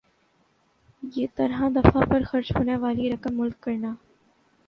یِہ طرح دفاع پر خرچ ہونا والی رقم ملک کرنا